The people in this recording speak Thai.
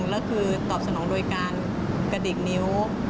แล้วคือตอบสนองโดยการกระดิกนิ้ว